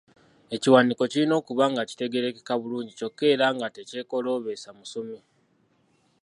Ekiwandiiko kirina okuba nga kitegeerekeka bulungi kyokka era nga tekyekooloobesa musomi.